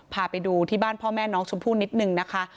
พาไปดูที่บ้านพ่อแม่น้องชมพู่นิดนึงนะคะ